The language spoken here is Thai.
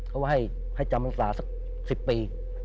เขาให้จำนักศึกษาสัก๑๐ปี